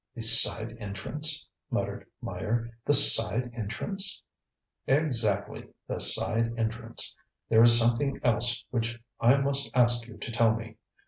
ŌĆØ ŌĆ£The side entrance? ŌĆØ muttered Meyer. ŌĆ£The side entrance? ŌĆØ ŌĆ£Exactly; the side entrance. There is something else which I must ask you to tell me.